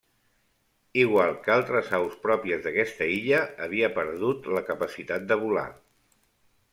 Igual que altres aus pròpies d'aquesta illa, havia perdut la capacitat de volar.